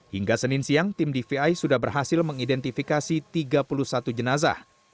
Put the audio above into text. hingga senin siang tim dvi sudah berhasil mengidentifikasi tiga puluh satu jenazah